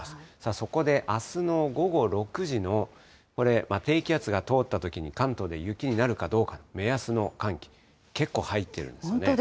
そこであすの午後６時のこれ、低気圧が通ったときに関東で雪になるかどうかの目安の寒気、結構本当ですね。